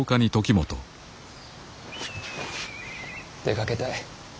出かけたい。